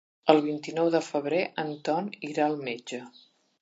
El vint-i-nou de febrer en Ton irà al metge.